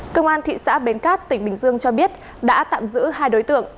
công an thị xã bến cát tỉnh bình dương cho biết đã tạm giữ hai đối tượng